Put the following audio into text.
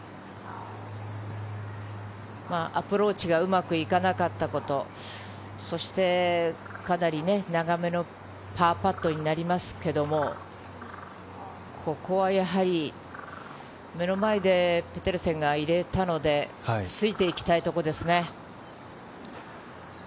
アプローチがうまくいかなかったこと、そしてかなり長めのパーパットになりますけれども、ここはやはり目の前でペデルセンが入れたので、ついていきたいところですね。